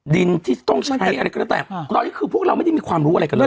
ดินที่ต้องใช้อะไรก็แล้วแต่ตอนนี้คือพวกเราไม่ได้มีความรู้อะไรกันเลย